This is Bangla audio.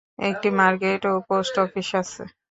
একটি মার্কেট ও পোস্ট অফিস আছে।